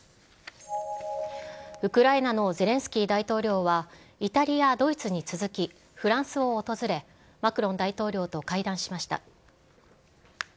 ウクライナのゼレンスキー大統領は、イタリア、ドイツに続き、フランスを訪れ、マクロン大統領と会談しました。